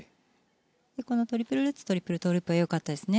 このトリプルルッツトリプルトウループはよかったですね。